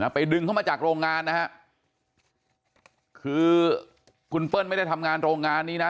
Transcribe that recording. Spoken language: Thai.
ไปดึงเข้ามาจากโรงงานนะฮะคือคุณเปิ้ลไม่ได้ทำงานโรงงานนี้นะ